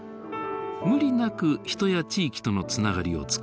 無理なく人や地域とのつながりを作る。